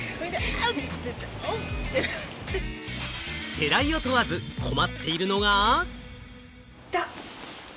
世代を問わず困っているのが。